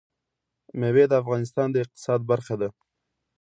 مېوې د افغانستان د اقتصاد برخه ده.